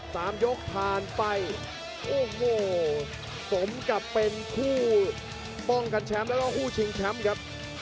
สามยกผ่านไปโอ้โหสมกับเป็นคู่ป้องกันแชมป์แล้วก็คู่ชิงแชมป์ครับ